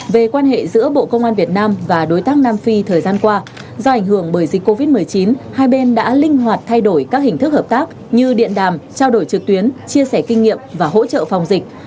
về quan hệ giữa bộ công an việt nam và đối tác nam phi thời gian qua do ảnh hưởng bởi dịch covid một mươi chín hai bên đã linh hoạt thay đổi các hình thức hợp tác như điện đàm trao đổi trực tuyến chia sẻ kinh nghiệm và hỗ trợ phòng dịch